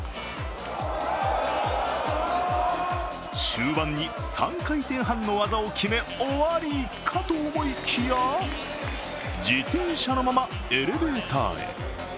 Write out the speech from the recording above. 終盤に３回転半の技を決め終わりかと思いきや自転車のままエレベーターへ。